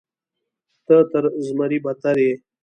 ته تر زمري بدتر یې.